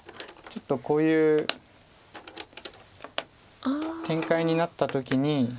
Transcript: ちょっとこういう展開になった時に。